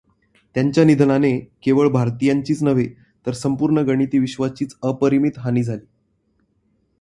त्यांच्या निधनाने केवळ भारतीयांचीच नव्हे तर संपूर्ण गणिती विश्वाचीच अपरिमित हानी झाली.